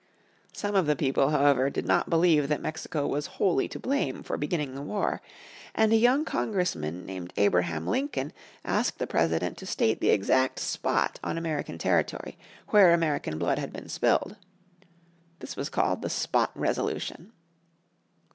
Some of the people, however, did not believe that Mexico was wholly to blame for beginning the war. And a young Congressman named Abraham Lincoln asked the President to state the exact spot on American territory where American blood had been spilled. This was called the "Spot resolution."